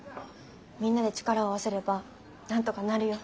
みんなで力を合わせればなんとかなるよ。